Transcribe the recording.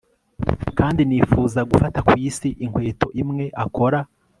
kandi nifuza gufata ku isi inkweto imwe akora